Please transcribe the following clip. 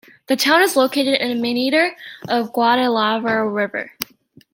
The town is located in a meander of the Guadalaviar River.